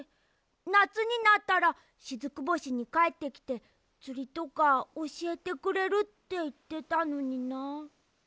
なつになったらしずく星にかえってきてつりとかおしえてくれるっていってたのにな。